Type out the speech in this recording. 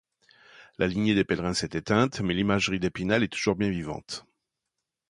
La lignée des Pellerin s'est éteinte, mais l'Imagerie d'Épinal est toujours bien vivante.